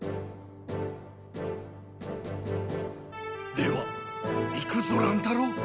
では行くぞ乱太郎。